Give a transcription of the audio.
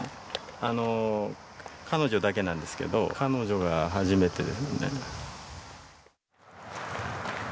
あの彼女だけなんですけど彼女が初めてですね。